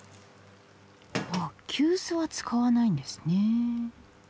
あっ急須は使わないんですねえ。